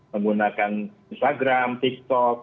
menggunakan instagram tiktok